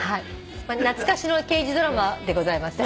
懐かしの刑事ドラマでございます。